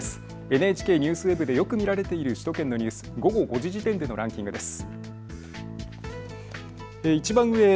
ＮＨＫＮＥＷＳＷＥＢでよく見られている首都圏のニュース、午後５時時点でのランキングです。